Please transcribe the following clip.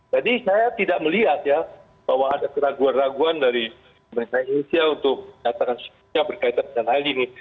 jadi saya tidak melihat ya bahwa ada keraguan raguan dari pemerintah indonesia untuk katakan sikap berkaitan dengan hal ini